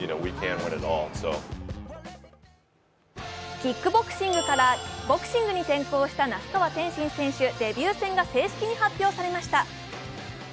キックボクシングからボクシングに転身した那須川天心選手、デビュー戦が正式に発表されました。